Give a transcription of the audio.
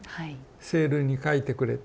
セールに描いてくれて。